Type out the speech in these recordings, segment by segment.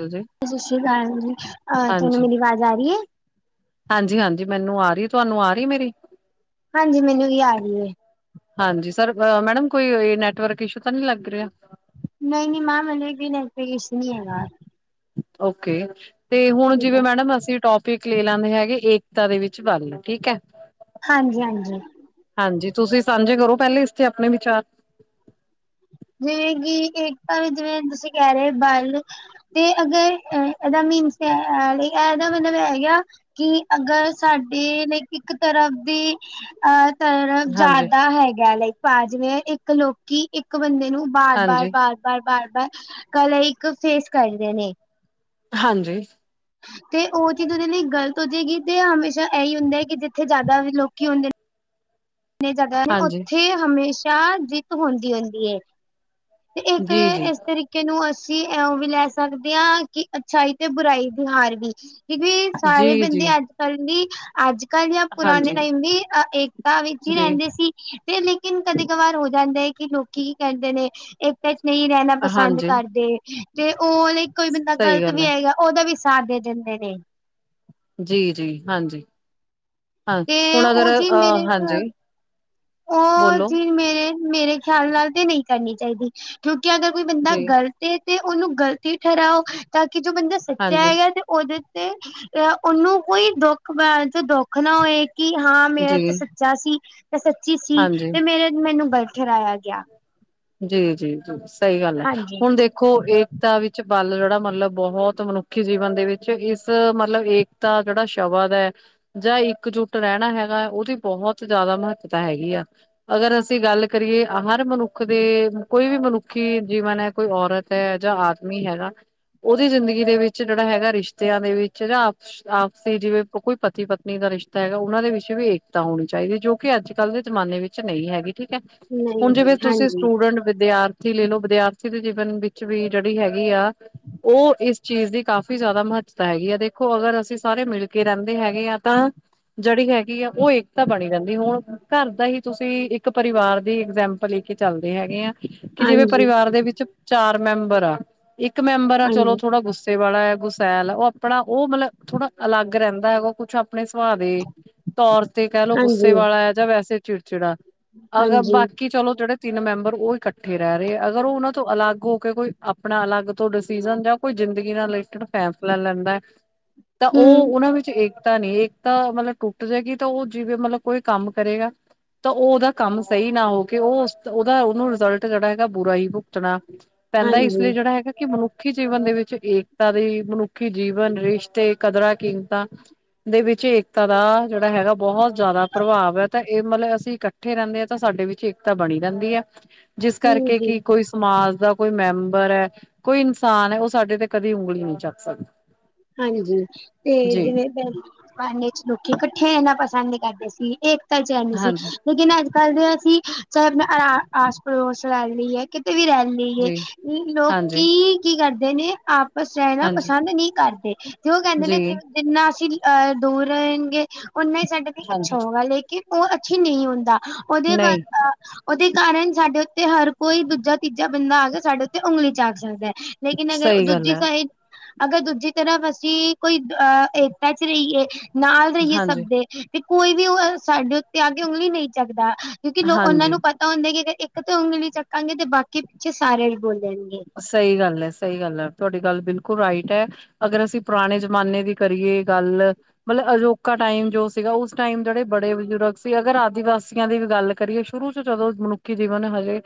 ਹਾਂਜੀ, ਸਤਿ ਸ੍ਰੀ ਅਕਾਲ ਜੀ ਭੈਣਜੀ ਅਹ ਤੁਹਾਨੂੰ ਮੇਰੀ ਆਵਾਜ਼ ਆ ਰਹੀ ਹੈ? ਹਾਂਜੀ-ਹਾਂਜੀ, ਮੈਨੂੰ ਆ ਰਹੀ ਤੁਹਾਨੂੰ ਆ ਰਹੀ ਮੇਰੀ? ਹਾਂਜੀ, ਮੈਨੂੰ ਵੀ ਆ ਰਹੀ ਹੈ। ਹਾਂਜੀ, ਸਰ ਮੈਡਮ ਕੋਈ ਨੈਟਵਰਕ ਇਸ਼ੂ ਤਾਂ ਨਹੀਂ ਲੱਗ ਰਿਹਾ? ਨਹੀਂ-ਨਹੀਂ, ਮੈਮ ਨੈਟਵਰਕ ਇਸ਼ੂ ਨਹੀਂ ਹੈਗਾ। ਓਕੇ, ਤੇ ਹੁਣ ਠੀਕ ਜਿਵੇਂ ਹੈ ਮੈਡਮ ਅਸੀਂ ਟੋਪ ਕ ਲੈ ਲੈਂਦੇ ਹੈਗੇ ਏਕਤਾ ਦੇ ਵਿੱਚ ਬਲ ਠੀਕ ਹੈ। ਹਾਂਜੀ-ਹਾਂਜੀ। ਹਾਂਜੀ, ਤੁਸੀਂ ਸਾਂਝੇ ਕਰੋ ਪਹਿਲੇ ਇਸਤੇ ਆਪਣੇ ਵਿਚਾਰ। ਜਿਵੇਂ ਕਿ ਏਕਤਾ ਵਿੱਚ, ਜਿਵੇਂ ਤੁਸੀਂ ਕਹਿ ਰਹੇ ਬਲ ਤੇ ਅਗਰ ਇਹਦਾ ਮੀਨਸ ਇਹਦਾ ਮਤਲਬ ਏ ਹੈਗਾ। ਕਿ ਅਗਰ ਸਾਡੇ ਲਈ ਇੱਕ ਤਰਫ ਦੀ ਆਹ ਤਰਫ਼ ਹਾਂਜੀ ਜ਼ਿਆਦਾ ਹੈਗਾ ਲਾਈਕ ਪਾ, ਜਿਵੇਂ ਇੱਕ ਲੋਕੀ ਇੱਕ ਬੰਦੇ ਨੂੰ ਹਾਂਜੀ ਬਾਰ-ਬਾਰ-ਬਾਰ-ਬਾਰ-ਬਾਰ- ਬਾਰ ਕਲਾ ਇੱਕ ਫੇਸ ਕਰਦੇ ਨੇ। ਹਾਂਜੀ। ਤੇ ਉਹ ਚੀਜ਼ ਉਹਦੇ ਲਈ ਗ਼ਲਤ ਹੋ ਜਾਏਗੀ, ਤੇ ਹਮੇਸ਼ਾ ਇਹੀ ਹੁੰਦਾ ਹੈ, ਕਿ ਜਿੱਥੇ ਜ਼ਿਆਦਾ ਲੋਕੀ ਹੁੰਦੇ ਤੇ ਜਗ੍ਹਾ ਨੇ, ਹਾਂਜੀ ਉੱਥੇ ਹਮੇਸ਼ਾ ਜਿੱਤ ਹੁੰਦੀ ਹੁੰਦੀ ਹੈ। ਤੇ ਜੀ ਇਹ, ਜੀ ਇਸ ਤਰੀਕੇ ਨੂੰ ਅਸੀਂ ਵੀ ਲੈ ਸਕਦੇ ਹਾਂ, ਕਿ ਅੱਛਾਈ ਤੇ ਬੁਰਾਈ ਦੀ ਹਾਰ ਵੀ। ਸਾਰੇ ਜੀ ਬੰਦੇ ਜੀ ਅੱਜ ਕੱਲ ਵੀ, ਅੱਜ-ਕੱਲ ਜਾਂ ਪੁਰਾਣੇ ਹਾਂਜੀ ਟਾਈਮ ਵੀ ਅ ਏਕਤਾ ਵੀ ਜੀ ਸੀ ਤੇ ਲੇਕਿਨ ਕਦੇ ਕਵਾਰ ਹੋ ਜਾਂਦਾ ਹੈ, ਕਿ ਲੋਕੀ ਕੀ ਕਹਿੰਦੇ ਨੇ ਕਈ ਨਹੀਂ ਰਹਿਣਾ ਪਸੰਦ ਹਾਂਜੀ ਕਰਦੇ, ਤੇ ਉਹ ਲਈ ਕੋਈ ਬੰਦਾ ਸਹੀ ਗ਼ਲਤ ਗੱਲ ਵੀ ਹੈ ਹੈਗਾ ਉਹਦਾ ਵੀ ਸਾਥ ਦੇ ਦਿੰਦੇ ਨੇ। ਜੀ ਜੀ, ਹਾਂਜੀ। ਹਾਂ ਤੇ ਹੁਣ ਅਗਰ ਉਹ ਜਿ ਅ ਮੇਰੇ, ਹਾਂਜੀ ਉਹ ਬੋਲੋ ਜਿ ਮੇਰੇ। [unintelligible] ਮੇਰੇ ਖਿਆਲ ਨਾਲ ਤੇ ਨਹੀਂ ਕਰਨੀ ਚਾਹੀਦੀ, ਕਿਉਂਕਿ ਅਗਰ ਕੋਈ ਬੰਦਾ ਜੀ ਗਲਤ ਐ ਤੇ ਉਹਨੂੰ ਗ਼ਲਤੀ ਠਹਿਰਾਓ, ਤਾਂ ਕਿ ਜੋ ਬੰਦਾ ਸੱਚਾ ਹਾਂਜੀ ਹੈਗਾ ਤੇ ਉਹਦੇ ਤੇ ਅ ਉਹਨੂੰ, ਕੋਈ ਦੁੱਖ ਪੈਣ 'ਚ ਦੁੱਖ ਨਾ ਹੋਏ। ਕਿ ਹਾਂ ਮੇਰਾ ਜੀ ਤੇ ਸੱਚਾ ਸੀ, ਤੇ ਸੱਚੀ ਸੀ, ਹਾਂਜੀ ਤੇ ਮੇਰੇ ਮੈਨੂੰ ਗਲਤ ਠਹਿਰਾਇਆ ਗਿਆ। ਜੀ, ਜੀ, ਜੀ ਸਹੀ ਗੱਲ ਹੈ, ਹਾਂਜੀ ਹੁਣ ਦੇਖੋ ਦੇਖੋ ਏਕਤਾ ਵਿੱਚ ਬਲ ਜਿਹੜਾ ਮਤਲਬ, ਬਹੁਤ ਮਨੁੱਖੀ ਜੀਵਨ ਦੇ ਵਿੱਚ ਇਸ ਮਤਲਬ ਏਕ ਤਾ ਜਿਹੜਾ ਸ਼ਬਦ ਹੈ ਜਾਂ ਇੱਕਜੁੱਟ ਰਹਿਣਾ ਹੈਗਾ, ਉਹਦੀ ਬਹੁਤ ਜ਼ਿਆਦਾ ਮਹੱਤਤਾ ਹੈਗੀ ਆ। ਅਗਰ ਅਸੀਂ ਗੱਲ ਕਰੀਏ, ਹਰ ਮਨੁੱਖ ਦੇ ਕੋਈ ਵੀ ਮਨੁੱਖੀ ਜੀਵਨ ਹੈ, ਕੋਈ ਔਰਤ ਹੈ ਜਾਂ ਆਦਮੀ ਹੈਗਾ ਉਹਦੀ ਜ਼ਿੰਦਗੀ ਦੇ ਵਿੱਚ ਜਿਹੜਾ ਹੈਗਾ, ਰਿਸ਼ਤਿਆਂ ਦੇ ਵਿੱਚ ਜਾਂ ਆਪਸੀ ਜਿਵੇਂ ਕੋਈ ਪਤੀ ਪਤਨੀ ਦਾ ਰਿਸ਼ਤਾ ਹੈਗਾ, ਉਹਨਾਂ ਦੇ ਵਿਸ਼ੇ ਵੀ ਏਕਤਾ ਹੋਣੀ ਚਾਹੀਦੀ ਹੈ, ਜੋ ਕਿ ਅੱਜ ਕੱਲ੍ਹ ਦੇ ਜਮਾਨੇ ਵਿੱਚ ਵਿੱਚ ਨਹੀਂ ਹੈਗੀ, ਠੀਕ ਹੈ। ਨਹੀਂ, ਜਿਵੇਂ ਤੁਸੀਂ ਹਾਂਜੀ। ਸਟੂਡੈਂਟ ਹੁਣ ਵਿਦਿਆਰਥੀ ਲੈ ਲਓ, ਵਿਦਿਆਰਥੀ ਦੇ ਜੀਵਨ ਵਿੱਚ ਵੀ ਜਿਹੜੀ ਹੈਗੀ ਆ ਉਹ ਇਸ ਚੀਜ਼ ਦੀ ਕਾਫ਼ੀ ਜ਼ਿਆਦਾ ਮਹੱਤਤਾ ਹੈਗੀ ਆ, ਦੇਖੋ ਅਗਰ ਅਸੀਂ ਸਾਰੇ ਮਿਲ ਕੇ ਰਹਿੰਦੇ ਹੈਗੇ ਆ ਤਾਂ ਜਿਹੜੀ ਹੈਗੀ ਆ, ਉਹ ਏਕਤਾ ਬਣੀ ਰਹਿੰਦੀ, ਹੁਣ ਘਰ ਦਾ ਹੀ ਤੁਸੀਂ ਇੱਕ ਪਰਿਵਾਰ ਦੀ ਐਗਜੈਪਲ ਆਪਾਂ ਲੈਕੇ ਚੱਲਦੇ ਹੈਗੇ, ਆ ਕਿ ਜਿਵੇਂ ਹਾਂਜੀ ਪਰਿਵਾਰ ਦੇ ਵਿੱਚ ਚਾਰ ਮੈਂਬਰ ਆ ਇੱਕ ਮੈਂਬਰ ਆ ਚਲੋ, ਥੋੜਾ ਗੁੱਸਾ ਗੁੱਸੇ ਵਾਲਾ ਹੈ ਗੁਸੈਲ, ਉਹ ਆਪਣਾ ਉਹ ਮਤਲਬ ਥੋੜਾ ਅਲੱਗ ਰਹਿੰਦਾ ਹੈਗਾ, ਕੁੱਛ ਆਪਣੇ ਸੁਭਾਅ ਦੇ ਤੌਰ ਤੇ ਕਹਿ ਲਉ, ਗੁੱਸੇ ਵਾਲਾ ਹੈ ਜਾਂ ਵੈਸੇ ਚਿੜਚਿੜਾ ਅਗਰ ਹਾਂਜੀ ਬਾਕੀ ਚਲੋ ਜਿਹੜੇ ਤਿੰਨ ਮੈਂਬਰ ਉਹ ਇਕੱਠੇ ਰਹਿ ਰਹੇ, ਅਗਰ ਉਹ ਉਹਨਾਂ ਤੋਂ ਅਲੱਗ ਹੋ ਕੇ ਕੋਈ ਆਪਣਾ ਅਲੱਗ ਤੋਂ ਡਿਸੀਜ਼ਨ, ਜਾਂ ਕੋਈ ਜ਼ਿੰਦਗੀ ਨਾਲ ਰਿਲੇਟਡ ਫੈਸਲਾ ਲੈਂਦਾ ਹੈ ਹ [inaudible] ਤਾਂ ਉਹ, ਉਹਨਾਂ ਵਿੱਚ ਏਕਤਾ ਨਹੀਂ। ਤਾਂ ਮਤਲਬ ਟੁੱਟ ਜਾਏਗੀ, ਤਾਂ ਉਹ ਜਿਵੇਂ ਮਤਲਬ ਕੋਈ ਕੰਮ ਕਰੇਗਾ, ਤਾਂ ਉਹ ਉਹਦਾ ਕੰਮ ਸਹੀ ਨਾ ਹੋਵੇ ਕਿ ਉਹ ਉਹਦਾ ਉਹਨੂੰ ਰਿਜ਼ਲਟ ਜਿਹੜਾ ਹੈਗਾ ਬੁਰਾ ਹੀ ਭੁਗਤਣਾ ਪੈਂਦਾ, ਇਸ ਹਾਂਜੀ ਲਈ ਜਿਹੜਾ ਹੈਗਾ ਕਿ ਮਨੁੱਖੀ ਮਨੁੱਖੀ ਜੀਵਨ ਦੇ ਵਿੱਚ ਏਕਤਾ ਦੀ, ਮਨੁੱਖੀ ਜੀਵਨ ਰਿਸ਼ਤੇ, ਕਦਰਾਂ, ਕੀਮਤਾਂ ਦੇ ਵਿੱਚ ਏਕਤਾ ਦਾ ਜਿਹੜਾ ਹੈਗਾ, ਬਹੁਤ ਜ਼ਿਆਦਾ ਪ੍ਰਭਾਵ ਹੈ। ਤਾਂ ਇਹ ਮਤਲਬ ਅਸੀਂ ਇਕੱ ਉੱਠੇ ਰਹਿੰਦੇ ਆ, ਤਾਂ ਸਾਡੇ ਵਿੱਚ ਏਕਤਾ ਬਣੀ ਰਹਿੰਦੀ ਹੈ ਜਿਸ ਹਮ ਕਰਕੇ ਜੀ ਕੀ ਕੋਈ ਸਮਾਜ ਦਾ ਕੋਈ ਮੈਂਬਰ ਹੈ, ਕੋਈ ਇਨਸਾਨ ਹੈ, ਉਹ ਸਾਡੇ ਤੇ ਕਦੇ ਉਂਗਲੀ ਨਹੀਂ ਚੱਕ ਸਕਦਾ। ਹਾਂਜੀ, ਤੇ ਜੀ ਜਿਵੇਂ [unintelligible] ਲੋਕੀ ਇਕੱਠੇ ਇਣਾ ਪਸੰਦ ਕਰਦੇ ਸੀ ਇਹ [unintelligible] ਹਾਂਜੀ ਲੇਕਿਨ ਅਜ ਕਰਦੇ ਹ, ਅਸੀਂ ਚਾਹੇ ਆਪਣਾ ਆਸ ਪੜੋਸ ਰੈ ਲੀ ਏ, ਕਿਤੇ ਵੀ ਰਹਿ ਏ ਜੀ ਹਾਂਜੀ ਲੋਕੀ ਕੀ ਕਰਦੇ ਨੇ, ਆਪਸ ਰਹਿਣਾ ਹਾਂਜੀ ਪਸੰਦ ਨਹੀਂ ਕਰਦੇ। ਤੇ ਉਹ ਕਹਿੰਦੇ ਨੇ, ਜੀ ਜਿੰਨਾ ਅਸੀਂ ਅਹ ਦੂਰ ਰਹਿਣਗੇ ਓਨਾਂ ਹੀ ਸਾਡੇ ਲਈ ਹਾਂਜੀ ਅੱਛਾ ਹੋਗਾ, ਲੇਕਿਨ ਉਹ ਅੱਛੀ ਨਹੀਂ ਹੁੰਦਾ ਉਹਦੇ ਨਹੀਂ ਉਹਦੇ ਕਾਰਨ ਸਾਡੇ ਉੱਤੇ ਹਰ ਕੋਈ ਦੂਜਾ-ਤੀਜਾ ਬੰਦਾ ਆਕੇ, ਸਾਡੇ ਉੱਤੇ ਉਂਗਲੀ ਚੱਕ ਸਕਦਾ। ਲੇਕਿਨ ਅਗਰ, ਸਹੀ ਗੱਲ ਦੂਜੀ ਹੈ ਸਾਈਡ, ਅਗਰ ਦੂਜੀ ਤਰਫ਼ ਅਸੀਂ, ਕੋਈ ਅ ਏਕਤਾ'ਚ ਰਹੀਏ, ਨਾਲ ਰਹੀਏ ਹਾਂਜੀ ਸਭ ਦੇ। ਤੇ ਕੋਈ ਵੀ ਉਹ ਸਾਡੇ ਉੱਤੇ ਆਕੇ ਉਂਗਲੀ ਨਹੀਂ ਚੱਕਦਾ, ਕਿਉਂਕਿ ਲੋ ਉਹਨਾਂ ਹਾਂਜੀ ਨੂੰ ਪਤਾ ਤਾਂ ਹੁੰਦਾ, ਕਿ ਅ ਇੱਕ ਤਾਂ ਉਂਗਲੀ ਚੱਕਾਂਗੇ ਤੇ ਬਾਕੀ ਪਿੱਛੇ ਸਾਰੇ ਵੀ ਬੋਲਣਗੇ। ਸਹੀ ਗੱਲ ਐ, ਸਹੀ ਗੱਲ ਐ, ਤੁਹਾਡੀ ਗੱਲ ਬਿਲਕੁਲ ਰਾਈਟ ਐ। ਅਗਰ ਅਸੀਂ ਪੁਰਾਣੇ ਜਮਾਨੇ ਦੀ ਕਰੀਏ, ਗੱਲ ਮਤਲਬ ਅਜੋਕਾ ਟਾਈਮ ਜੋ ਸੀਗਾ, ਉਸ ਟਾਈਮ ਜਿਹੜੇ ਬੜੇ ਬਜ਼ੁਰਗ ਸੀ ਅਗਰ ਆਦਿਵਾਸੀਆਂ ਦੀ ਵੀ ਗੱਲ ਕਰੀਏ ਸ਼ੁਰੂ'ਚ ਜਦੋਂ ਮਨੁੱਖੀ ਜੀਵਨ ਹਜੇ,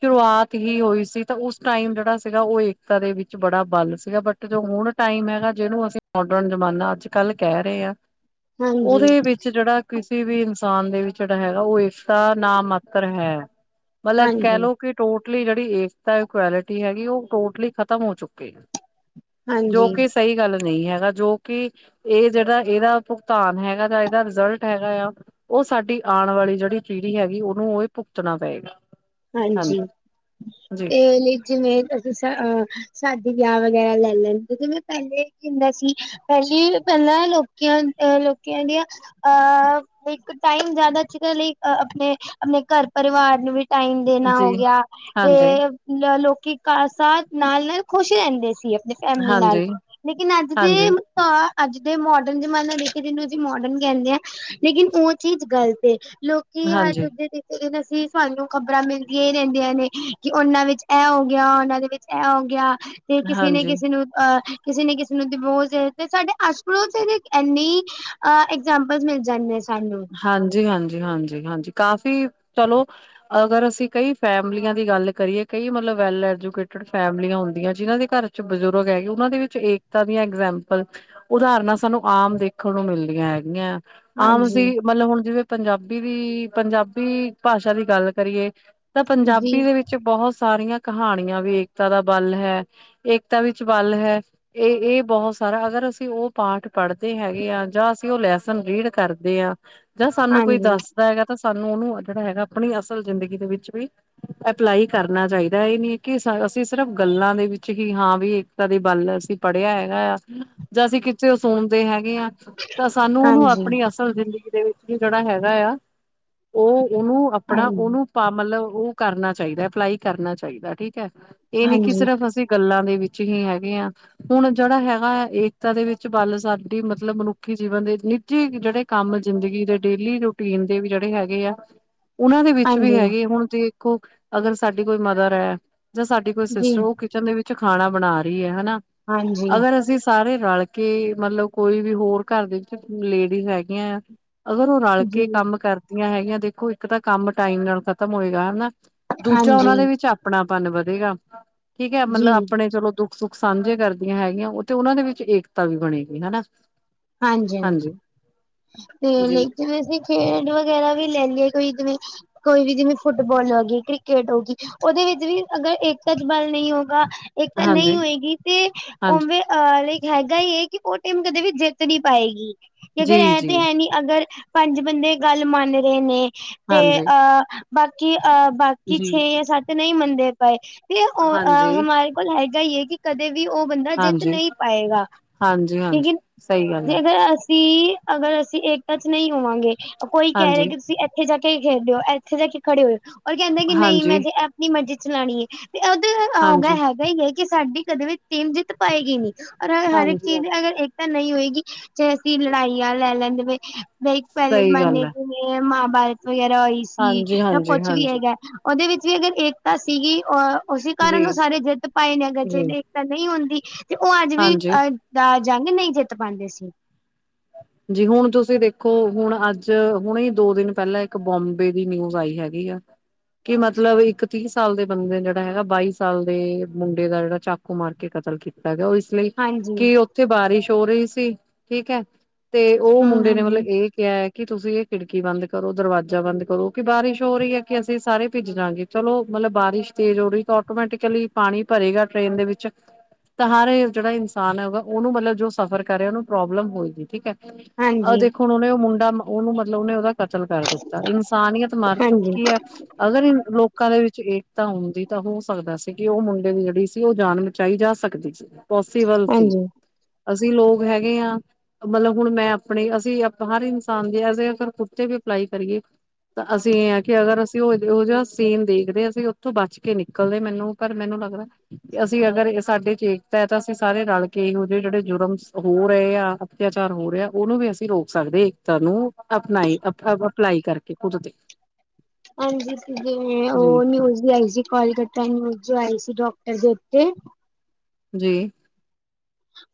ਸ਼ੁਰੂਆਤ ਹੀ ਹੋਈ ਸੀ ਤਾਂ ਉਸ ਟਾਈਮ ਜਿਹੜਾ ਸੀਗਾ, ਉਹ ਏਕਤਾ ਦੇ ਵਿੱਚ ਬੜਾ ਬਲ ਸੀਗਾ ਬਟ ਜੋ ਹੁਣ ਟਾਈਮ ਹੈਗਾ ਜਿਹਨੂੰ ਅਸੀ ਮੋਡਰਨ ਜ਼ਮਾਨਾ ਅੱਜ ਕੱਲ ਕਹਿ ਰਹੇ ਆ, ਹਾਂਜੀ ਉਹਦੇ ਵਿੱਚ ਜਿਹੜਾ ਕਿਸੀ ਵੀ ਇਨਸਾਨ ਦੇ ਵਿੱਚ ਜਿਹੜਾ ਹੈਗਾ, ਇਸ ਟਾ ਨਾ ਮਾਤਰ ਹੈ। ਮਤਲਬ ਹਾਂਜੀ ਕਹਿਲੋ, ਕਿ ਟੋਟਲੀ ਜਿਹੜੀ ਏਕਤਾ ਇਕੁਲਿਟੀ ਹੈਗੀ ਉਹ ਟੋਟਲੀ ਖ਼ਤਮ ਹੋ ਚੁੱਕੀ। ਜੋ ਹਾਂਜੀ ਕਿ ਸਹੀ ਗੱਲ ਨਹੀਂ ਹੈਗਾ, ਜੋ ਕਿ, ਇਹ ਜਿਹੜਾ ਇਹਦਾ ਭੁਗਤਾਨ ਹੈਗਾ ਜਾ, ਇਹਦਾ ਰਿਜ਼ਲਟ ਹੈਗਾ ਯਾ ਉਹ ਸਾਡੀ ਆਣ ਵਾਲੀ ਜਿਹੜੀ ਪੀੜੀ ਹੈਗੀ, ਉਹਨੂੰ ਉਹ ਭੁਗਤਣਾ ਪਏਗਾ। ਹਾਂਜੀ, ਜੀ ਏ ਲੇਕਿਨ ਏ ਜਿਸਾ ਸ਼ਾਦੀ-ਵਿਆਹ ਵਗੈਰਾ ਲੈ ਲੈਨ, ਜਵੇਂ ਪਹਿਲੇ ਕ ਹੁੰਦਾ ਸੀ ਪਹਿਲੇ, ਪਹਿਲਾਂ ਲੋਕੀਆਂ ਅਹ ਲੋਕੀਆਂ ਦੀਆਂ ਅਹ--ਇੱਕ ਟਾਈਮ ਜ਼ਿਆਦਾ ਜੀਦੇ ਲਈ, ਆਪਣੇ, ਆਪਣੇ ਘਰ-ਪਰਿਵਾਰ ਨੂੰ ਵੀ ਟਾਈਮ ਦੇਨਾ ਜੀ ਹੋਗਿਆ, ਤੇ ਹਾਂਜੀ ਮਤਲਬ, ਲੋਕੀ ਕਾਸ ਨਾਲ-ਨਾਲ ਖੁਸ਼ ਰਹਿੰਦੇ ਸੀ ਫੈਮਿਲੀ ਨਾਲ, ਹਾਂਜੀ, ਲੇਕਿਨ ਅੱਜ ਤੇ ਹਾਂਜੀ, ਹਾ, ਅੱਜ ਦੇ ਮੋਡਰਨ ਜਮਾਨਾ ਦੇਖੀ ਜਿਨੂੰ ਅਸੀਂ ਮੋਡਰਨ ਕਹਿੰਨੇ ਆ ਲੇਕਿਨ ਉਹ ਚੀਜ਼ ਗ਼ਲਤ ਏ, ਲੋਕੀ ਹਰ ਹਾਂਜੀ, ਹੋਗੀ ਅਸੀਂ, ਸਾਨੂੰ ਖ਼ਬਰਾਂ ਮਿਲਦੀਆਂ ਹੀ ਰਹਿੰਦੀਆਂ ਨੇ, ਕਿ ਉਹਨਾਂ ਵਿੱਚ ਐ ਹੋਗਿਆ, ਉਹਨਾਂ ਦੇ ਵਿੱਚ ਐ ਹੋਗਿਆ। ਤੇ ਕਿਸੇ ਨੇ ਹਾਂਜੀ। ਕਿਸੇ ਨੂੰ, ਅਹ ਕਿਸੇ ਨੇ ਕਿਸੇ ਨੂੰ ਦਿਵੋਸ ਦੇਤੇ, ਸਾਡੇ ਆਸ-ਪੜੋਸ ਇੰਨੀ ਅ ਐਕਜਾਂਮਪਲ ਮਿਲ ਜਾਂਦੇ, ਸਾਨੂੰ। ਹਾਂਜੀ-ਹਾਂਜੀ, ਹਾਂਜੀ-ਹਾਂਜੀ, ਕਾਫ਼ੀ, ਚਲੋ ਅਗਰ ਅਸੀਂ ਕਈ ਫੈਮਲੀਆਂ ਦੀ ਗੱਲ ਕਰੀਏ, ਕਈ ਮਤਲਬ ਵੈਲ ਐਜੂਕੇਟਡ ਫੈਮਲੀਆਂ ਹੁੰਦੀਆਂ, ਜਿਨਾਂ ਦੇ ਘਰ ਚ ਬਜ਼ੁਰਗ ਹੈਗੇ, ਉਹਨਾਂ ਦੇ ਵਿੱਚ ਏਕਤਾ ਦੀਆਂ ਇਗਜਾਮਪਲ ਉਦਾਹਰਨਾਂ ਸਾਨੂੰ ਆਮ ਵੇਖਣ ਨੂੰ ਮਿਲਦੀਆਂ ਹੈਗੀਆਂ, ਆਮ ਅਸੀਂ ਹਾਂਜੀ ਮਤਲਬ ਹੁਣ ਜਿਵੇਂ ਪੰਜਾਬੀ ਵੀ, ਪੰਜਾਬੀ ਭਾਸ਼ਾ ਦੀ ਗੱਲ ਕਰੀਏ ਮਤਲਬ, ਜੀ ਪੰਜਾਬੀ ਦੇ ਵਿੱਚ ਬਹੁਤ ਸਾਰੀਆਂ ਕਹਾਣੀਆਂ ਵੀ ਏਕਤਾ ਦਾ ਬਲ ਹੈ ਏਕਤਾ ਵਿੱਚ ਬਲ ਹੈ। ਇਹ, ਇਹ ਬਹੁਤ ਸਾਰਾ ਅਗਰ ਅਸੀਂ ਉਹ ਪਾਠ ਪੜ੍ਹਦੇ ਹੈਗੇ ਆ, ਜਾਂ ਅਸੀਂ ਉਹ ਲੈਸਨ ਰੀਡ ਕਰਦੇ ਆ, ਜਾਂ ਸਾਨੂੰ ਹਾਂ ਕੋਈ ਦੱਸਦਾ ਹੈਗਾ ਤਾਂ ਸਾਨੂੰ ਉਹਨੂੰ ਜਿਹੜਾ ਹੈਗਾ ਆਪਣੀ ਅਸਲ ਜ਼ਿੰਦਗੀ ਦੇ ਵਿੱਚ ਵੀ ਅਪਲਾਈ ਕਰਨਾ ਚਾਹੀਦਾ, ਇਹ ਨੀ ਕਿ ਅਸੀਂ ਸਿਰਫ ਗੱਲਾਂ ਦੇ ਵਿੱਚ ਹੀ, ਹਾਂ ਵੀ ਦੀ ਬੱਲ ਅਸੀਂ ਪੜ੍ਹਿਆ ਹੈਗਾ ਤਾਂ, ਜਾਂ ਅਸੀਂ ਚ ਉਹ ਸਣਦੇ ਹੈਗੇ ਆ, ਤਾਂ ਸਾਨੂੰ ਉਹਨੂੰ ਹਾਂਜੀ ਆਪਣੀ ਜ਼ਿੰਦਗੀ ਦੇ ਵਿੱਚ ਵੀ ਜਿਹੜਾ ਹੈਗਾ ਯਾ, ਉਹ, ਉਹਨੂੰ ਆਪਣਾ ਹਾਂਜੀ ਉਹਨੂੰ ਆਪ ਮਤਲਬ ਉਹ ਕਰਨਾ ਚਾਹੀਦਾ, ਅਪਲਾਈ ਕਰਨਾ ਚਾਹੀਦਾ ਠੀਕ ਹੈ, ਇਹ ਨੀ ਕਿ ਹਾਂਜੀ ਸਿਰਫ ਅਸੀ ਗੱਲਾਂ ਦੇ ਵਿੱਚ ਹੀ ਹੈਗੇ ਆਂ ਹੁਣ ਜਿਹੜਾ ਹੈਗਾ ਏਕਤਾ ਦੇ ਵਿੱਚ ਵੱਲ ਸਾਡੀ ਮਤਲਬ ਮਨੁੱਖੀ ਜੀਵਨ ਦੇ ਨਿੱਜੀ ਜਿਹੜੇ ਕੰਮ ਜ਼ਿੰਦਗੀ ਦੇ ਡੇਲੀ ਰੂਟੀਨ ਦੇ ਵੀ ਜਿਹੜੇ ਹੈਗੇ ਆ ਉਹਨਾਂ ਦੇ ਵਿੱਚ ਵੀ ਹਾਂਜੀ ਹੈਗੇ ਹੁਣ ਜੇ ਦੇਖੋ ਅਗਰ ਸਾਡੀ ਕੋਈ ਮਦਰ ਹੈ ਜਾਂ ਸਾਡੀ ਕੋਈ ਜੀ ਸਿਸਟਰ ਉਹ ਕਿ ਕਿਚਨ ਦੇ ਵਿੱਚ ਖਾਣਾ ਬਣਾ ਰਹੀ ਹੈ ਹਨਾ ਹਾਂਜੀ ਅਗਰ ਅਸੀਂ ਸਾਰੇ ਰਲ ਕੇ ਮਤਲਬ ਕੋਈ ਵੀ ਹੋਰ ਘਰ ਦੇ ਵਿੱਚ ਲੇਡੀਜ਼ ਹੈਗੀਆਂ ਅਗਰ ਉਹ ਰਲ ਜੀ ਕੇ ਕੰਮ ਕਰਦੀਆਂ ਹੈਗੀਆਂ ਦੇਖੋ ਇੱਕ ਤਾਂ ਕੰਮ ਟਾਈਮ ਨਾਲ ਖ਼ਤਮ ਹੋਏਗਾ ਹਨਾ ਦੂਜਾ ਹਾਂਜੀ ਉਹਨਾਂ ਦੇ ਵਿੱਚ ਆਪਣਾਪਨ ਵਧੇਗਾ ਠੀਕ ਮਤਲਬ ਜੀ ਆਪਣੇ ਚਲੋ ਦੁੱਖ ਸੁੱਖ ਸਾਂਝੇ ਕਰਦੀਆਂ ਹੈਗੀਆਂ ਉਹ ਤੇ ਉਹਨਾਂ ਦੇ ਵਿੱਚ ਏਕਤਾ ਵੀ ਬਣੇਗੀ ਹਨਾ ਹਾਂਜੀ- ਹਾਂਜੀ ਤੇ ਜੀ। ਲੇਕਿਨ ਅਸੀਂ ਖੇਡ ਵਗੈਰਾ ਵੀ ਲੈ ਲਈਏ ਕੋਈ ਜਿਵੇਂ ਕੋਈ ਵੀ ਜਿਵੇਂ ਫੁੱਟਬਾਲ ਹੋ ਗਈ ਕ੍ਰਿਕਟ ਹੋ ਗਈ ਉਹਦੇ ਵਿੱਚ ਵੀ ਅਗਰ ਏਕਤਾ 'ਚ ਬਲ ਨਹੀਂ ਹੋਊਗਾ ਇੱਕ ਤਾਂ ਨਹੀਂ ਹਾਂਜੀ, ਹੋਏਗੀ ਤੇ ਹਾਂਜੀ, ਉਵੇਂ ਅਹ ਲਾਈਕ ਹੈਗਾ ਹੀ ਹੈ ਕਿ ਉਹ ਟੀਮ ਕਦੇ ਵੀ ਜਿੱਤ ਨੀ ਪਾਏਗੀ ਅਗਰ ਜੀ, ਐਂ ਜੀ, ਤੇ ਹੈ ਨੀ ਅਗਰ ਪੰਜ ਬੰਦੇ ਗੱਲ ਮੰਨ ਰਹੇ ਨੇ ਤੇ ਹਾਂਜੀ, ਅਹ ਬਾਕੀ ਅਹ ਬਾਕੀ ਕਿ ਜੀ। ਛੇ ਜਾਂ ਸੱਤ ਨਹੀਂ ਮੰਨਦੇ ਪਏ ਤੇ ਹਾਂ ਹਾਂਜੀ, ਹਮਾਰੇ ਕੋਲ ਹੈਗਾ ਹੀ ਹੈ ਕਿ ਕਦੇ ਵੀ ਉਹ ਬੰਦਾ ਜਿੱਤ ਹਾਂਜੀ, ਨਹੀਂ ਪਾਏਗਾ ਹਾਂਜੀ, ਹਾਂਜੀ ਲੇਕਿਨ ਸਹੀ ਗੱਲ ਹੈ। ਜੇਕਰ ਅਸੀਂ ਅਗਰ ਅਸੀਂ ਏਕਤਾ 'ਚ ਨਹੀਂ ਹੋਵਾਂਗੇ ਕੋਈ ਕਹਿ ਰਹੇ ਹਾਂਜੀ, ਕਿ ਤੁਸੀਂ ਇ ਇੱਥੇ ਜਾ ਕੇ ਖੇਡਓ ਇੱਥੇ ਜਾ ਕੇ ਖੜੇ ਹੋਏ ਉਹ ਕਹਿੰਦੇ ਕਿ ਨਹੀਂ ਮੈਂ ਹਾਂਜੀ, ਜੇ ਆਪਣੀ ਮਰਜ਼ੀ ਚਲਾਉਣੀ ਹੈ ਤੇ ਉਹਦੇ ਆਗਾ ਹਾਂਜੀ, ਹੈਗਾ ਹੀ ਹੈ ਕਿ ਸਾਡੀ ਕਦੇ ਵੀ ਟੀਮ ਜਿੱਤ ਪਾਏਗੀ ਨੀ ਅਰ ਹਰ ਇੱਕ ਹਾਂਜੀ, ਚੀਜ਼ ਹਾਂਜੀ ਅਗਰ ਏਕਤਾ ਨਹੀਂ ਹੋਏਗੀ ਜੇ ਅਸੀਂ ਲੜਾਈਆਂ ਲੈ ਲੈਂਦੇ ਨੇ ਬਈ ਪਹਿਲੇ ਸਹੀ ਜਮਾਨੇ ਗੱਲ ਹੈ। 'ਚ ਮਹਾਭਾਰਤ ਵਗੈਰਾ ਹੋਈ ਸੀ ਹਾਂਜੀ ਤਾਂ ਹਾਂਜੀ ਕੁਛ ਵੀ ਹਾਂਜੀ ਹੈਗਾ ਉਹਦੇ ਵਿੱਚ ਵੀ ਅਗਰ ਏਕਤਾ ਸੀਗੀ ਔਰ ਉਸੇ ਜੀ ਕਾਰਨ ਉਹ ਸਾਰੇ ਜਿੱਦ ਪਾਏ ਨੇ ਅਗਰ ਜੀ ਜਿਹੜੇ ਤੇ ਨਹੀਂ ਹੁੰਦੀ ਤੇ ਉਹ ਅੱਜ ਵੀ ਹਾਂਜੀ ਅਹ ਦਾ ਜੰਗ ਨਹੀਂ ਜਿੱਤ ਪਾਉਂਦੇ ਸੀ ਜੀ ਹੁਣ ਤੁਸੀਂ ਦੇਖੋ ਹੁਣ ਅੱਜ ਹੁਣੇ ਦੋ ਦਿਨ ਪਹਿਲਾਂ ਇੱਕ ਬੋਂਬੇ ਦੀ ਨਿਊਜ਼ ਆਈ ਹੈਗੀ ਠੀ ਆ ਕਿ ਮਤਲਬ ਇੱਕ ਤੀਹ ਸਾਲ ਦੇ ਬੰਦੇ ਨੇ ਜਿਹੜਾ ਹੈਗਾ ਬਾਈ ਸਾਲ ਦੇ ਮੁੰਡੇ ਦਾ ਜਿਹੜਾ ਚੱਕ ਉਹ ਮਾਰ ਕੇ ਕਤਲ ਕੀਤਾ ਗਿਆ ਉਸ ਲਈ ਹਾਂਜੀ ਕਿ ਉੱਥੇ ਬਾਰਿਸ਼ ਹੋ ਰਹੀ ਸੀ ਠੀਕ ਹੈ ਤੇ ਉਹ ਹੂੰ ਮੁੰਡੇ ਨੇ ਹਾਂਜੀ ਮਤਲਬ ਏ ਕਿਹਾ ਕਿ ਤੁਸੀਂ ਇਹ ਖਿੜਕੀ ਬੰਦ ਕਰੋ ਦਰਵਾਜ਼ਾ ਬੰਦ ਕਰੋ ਕਿ ਬਾਰਿਸ਼ ਹੋ ਰਹੀ ਹੈ ਕਿ ਅਸੀਂ ਸਾਰੇ ਭਿੱਜ ਜਾਂਗੇ ਚਲੋ ਮਤਲਬ ਬਾਰਿਸ਼ ਤੇਜ਼ ਹੋ ਰਹੀ ਤਾਂ ਆਟੋਮੈਟਿਕਲੀ ਪਾਣੀ ਭਰੇਗਾ ਟ੍ਰੇਨ ਦੇ ਵਿੱਚ ਤਾਂ ਹਰ ਜਿਹੜਾ ਇਨਸਾਨ ਹੈਗਾ ਉਹਨੂੰ ਮਤਲਬ ਜੋ ਸਫ਼ਰ ਕਰੇ ਉਹਨੂੰ ਪ੍ਰੋਬਲਮ ਹੋਏਗੀ ਠੀਕ ਹੈ ਆਹ ਹਾਂਜੀ ਦੇਖੋ ਹੁਣ ਉਹਨੇ ਮੁੰਡਾ ਉਹਨੂੰ ਮਤਲਬ ਉਹਨੇ ਕਤਲ ਕਰ ਦਿੱਤਾ ਇਨਸਾਨੀਅਤ ਮਰ ਹਾਂਜੀ ਚੁੱਕੀ ਹੈ ਅਗਰ ਲੋਕਾਂ ਦੇ ਵਿੱਚ ਏਕਤਾ ਹੁੰਦੀ ਤਾਂ ਹੋ ਸਕਦਾ ਸੀ ਕਿ ਉਹ ਮੁੰਡੇ ਦੀ ਜਿਹੜੀ ਸੀ ਉਹ ਜਾਨ ਬਚਾਈ ਜਾ ਸਕਦੀ ਸੀ ਪੋਸੀਬਲ ਸੀ ਹਾਂਜੀ ਅਸੀਂ ਲੋਕ ਹੈਗੇ ਹਾਂ ਮਤਲਬ ਹੁਣ ਮੈਂ ਆਪਣੇ ਅਸੀਂ ਹਰ ਇਨਸਾਨ ਦੇ ਐਜੇ ਅਗਰ ਕੁੱਤੇ ਵੀ ਅਪਲਾਈ ਕਰੀਏ ਤਾਂ ਅਸੀਂ ਇਹ ਆ ਕਿ ਅਗਰ ਅਸੀ ਉਹੋ ਜਿਹਾ ਸੀਨ ਦੇਖਦੇ ਅਸੀਂ ਉੱਥੋਂ ਬਚ ਕੇ ਨਿਕਲਦੇ ਮੈਨੂੰ ਪਰ ਮੈਨੂੰ ਲੱਗਦਾ ਅਸੀਂ ਅਗਰ ਸਾਡੇ 'ਚ ਏਕਤਾ ਹੈ ਤਾਂ ਅਸੀਂ ਸਾਰੇ ਰਲ ਕੇ ਇਹੋ ਜਿਹੇ ਜਿਹੜੇ ਜੁਰਮ ਹੋ ਰਹੇ ਹੈ ਅਤਿਆਚਾਰ ਹੋ ਰਿਹਾ ਉਹਨੂੰ ਵੀ ਅਸੀਂ ਰੋਕ ਸਕਦੇ ਏਕਤਾ ਨੂੰ ਅਪਣਾਈ ਆਪਣਾਪਨ ਅਪਲਾਈ ਕਰਕੇ ਕਿ ਕੁਦਤੇ ਹਾਂਜੀ ਸੀ ਜ ਜੀ ਉਹ ਨਿਊਜ਼ ਦੀ ਆਈ ਸੀ ਕਾਲ ਤੇ [unintelligible] ਜੇ ਆਈ ਸੀ ਡੋਕਟਰ ਦੇੇ ਉਤੇ ਜੀ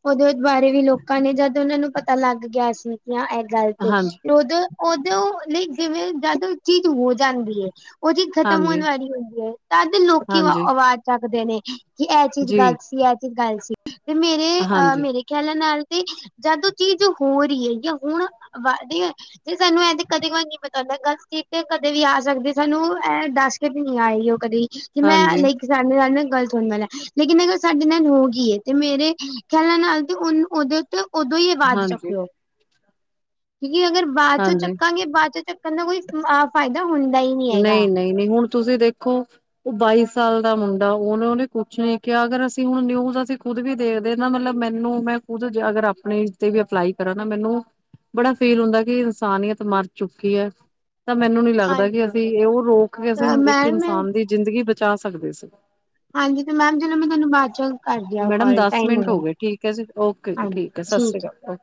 ਉਹਦੇ ਬਾਰੇ ਵੀ ਲੋਕਾਂ ਨੇ ਜਦ ਉਹਨਾਂ ਨੂੰ ਪਤਾ ਲੱਗ ਗਿਆ ਸੀ ਇਹ ਗੱਲ ਤੇ ਹਾਂਜੀ ਉਦੋਂ ਉਦੋਂ ਨਹੀਂ ਜਿਵੇਂ ਜਦੋਂ ਚੀਜ਼ ਹੋ ਜਾਂਦੀ ਹੈ ਉਹ ਜੀ ਖ਼ਤਮ ਹੋਣ ਹਾਂਜੀ ਵਾਲੀ ਹੋਈ ਏ ਤਦ ਲੋਕੀ ਅਵਾ ਹਾਂਜੀ ਆਵਾਜ਼ ਚੱਕਦੇ ਨੇ। ਕਿ ਇਹ ਚੀਜ਼ ਜੀ ਗ਼ਲਤ ਸੀ ਇਹ ਚੀਜ਼ ਗਲ ਸੀ ਤੇ ਮੇਰੇ ਅਹ ਹਾਂਜੀ ਮੇਰੇ ਖਿਆਲਾਂ ਨਾਲ ਤੇ ਜਦ ਉਹ ਚੀਜ਼ ਹੋ ਰਹੀ ਹੈ ਜਾਂ ਹੋਣ ਵ ਵਾਲੀ ਏ ਜੇ ਸਾਨੂੰ ਇੰਝ ਕਦੇ ਕਦਾਈ ਨੀ ਪਤਾ ਹੁੰਦਾ ਗਲ ਕੀਤੇ ਕਦੇ ਵੀ ਆ ਸਕਦੀ ਸਾਨੂੰ ਇਹ ਦੱਸ ਕਦੇ ਨੀ ਆਈ ਉਹ ਕਦੇ ਕਿ ਮੈਂ ਹਾਂਜੀ ਲਾਈਕ ਸਾਡੇ ਨਾਲ ਨਾ ਗੱਲ ਸੁਣਨ ਵਾਲਾ ਲੇਕਿਨ ਅਗਰ ਸਾਡੇ ਨਾਲ ਹੋ ਗਈ ਏ। ਤੇ ਮੇਰੇ ਖਿਆਲਾਂ ਨਾਲ ਤੇ ਉਹਨੂੰ ਉਹਦੇ ਉੱਤੇ ਓਦੋਂ ਹੀ ਆਵਾਜ਼ ਚੁਕ ਹਾਂਜੀ ਲਓ। ਕਿਉਂਕਿ ਅਗਰ ਬਾਦ ਚੋਂ ਹਾਂਜੀ ਚੱਕਾਂਗੇ ਬਾਦ ਚ ਚੱਕਣ ਨਾ ਕੋਈ ਆਪ ਫਾਇਦਾ ਹੁੰਦਾ ਹੀ ਨਹੀਂ ਹੈਗਾ। ਨਹੀਂ ਨਹੀਂ ਹੁਣ ਤੁਸੀਂ ਦੇਖੋ ਉਹ ਬਾਈ ਸਾਲ ਦਾ ਮੁੰਡਾ ਉਹਨੇ ਉਹਨੇ ਕੁੱਛ ਨੀ ਕਿਹਾ ਅਗਰ ਅਸੀਂ ਹੁਣ ਨਿਊਜ਼ ਅਸੀਂ ਖੁਦ ਵੀ ਦੇਖਦੇ ਨਾ ਮਤਲਬ ਮੈਨੂੰ ਮੈਂ ਖੁਦ ਜੇ ਅਗਰ ਆਪਣੇ ਤੇ ਵੀ ਅਪਲਾਈ ਕਰਾਂ ਨਾ ਮੈਨੂੰ ਬੜਾ ਫੀਲ ਹੁੰਦਾ ਕਿ ਇਨਸਾਨੀਅਤ ਮਰ ਚੁੱਕੀ ਹੈ। ਤਾਂ ਮੈਨੂੰ ਨੀ ਲੱਗਦਾ ਕਿ ਹਾਂਜੀ। ਅਸੀਂ ਉਹ ਰੋਕ ਕੇ ਅਸੀਂ ਇੱਕ ਮੈਮ ਇਨਸਾਨ ਦੀ ਜ਼ਿੰਦਗੀ ਬਚਾ ਸਕਦੇ ਸੀ। ਹਾਂਜੀ ਤੇ ਮੈਮ ਚਲੋ ਮੈਂ ਤੁਹਾਨੂੰ ਬਾ ਦ ਚ ਕਰਦੀ ਆ ਮੈਡਮ ਕਾਲ ਦਸ ਟਾਈਮ ਮਿੰਟ ਹੋ ਹੋਆ ਗਏ ਠੀਕ ਹੈ ਜੀ ਓਕੇ ਜੀ ਹਾਂਜੀ ਸਤਿ ਸ਼੍ਰੀ ਠੀਕ ਹੈ। ਅਕਾਲ